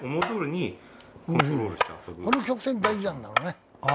この曲線大事なんだろうね。